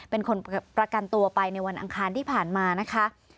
เป็นคนประกันตัวไปในวันอังคารที่ผ่านมานะคะ